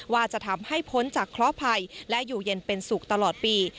ว่าจะทำให้พ้นจากเคราะหภัยและอยู่เย็นเป็นสุขตลอดปี